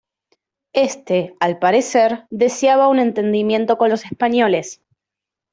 Éste, al parecer, deseaba un entendimiento con los españoles.